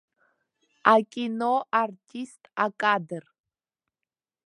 Акино, артист, акадр!